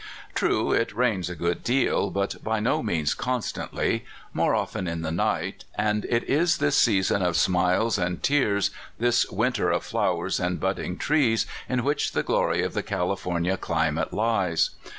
True it rains a good deal, but by no means constantly, more often in the night ; and it is this season of smiles and tears, this winter of flowers and budding trees, in which the glory of the California climate lies.